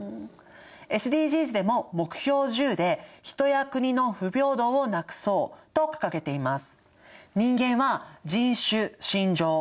ＳＤＧｓでも目標１０で「人や国の不平等をなくそう」と掲げています。